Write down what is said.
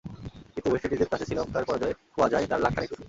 কিন্তু ওয়েস্ট ইন্ডিজের কাছে শ্রীলঙ্কার পরাজয়ে খোয়া যায় তাঁর লাখ খানেক রুপি।